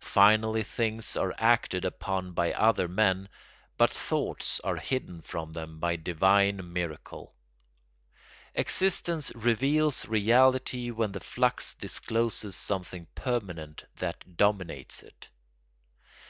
Finally things are acted upon by other men, but thoughts are hidden from them by divine miracle. Existence reveals reality when the flux discloses something permanent that dominates it.